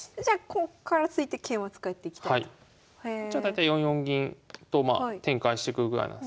こっちは大体４四銀と展開してくぐらいなんですけど